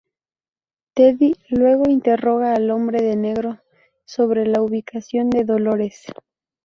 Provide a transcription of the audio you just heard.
Teddy luego interroga al Hombre de Negro sobre la ubicación de Dolores.